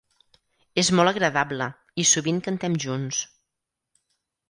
És molt agradable, i sovint cantem junts.